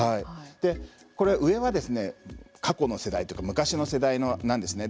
これ、上は過去の世代というか昔の世代なんですね。